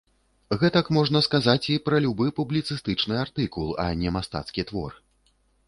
Гэтак можна сказаць і пра любы публіцыстычны артыкул, а не мастацкі твор.